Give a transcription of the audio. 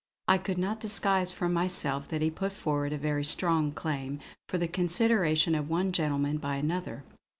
I could not disguise from myself that he put forward a very strong claim for the consideration of one gentleman by another.